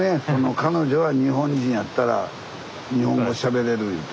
彼女が日本人やったら日本語しゃべれるいうて。